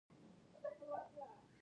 هغې د زړه له کومې د زړه ستاینه هم وکړه.